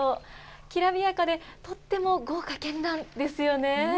きらびやかで、とっても豪華けんらんですよね。